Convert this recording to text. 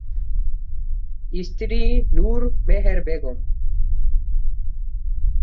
স্ত্রী ঃ নূর মেহের বেগম।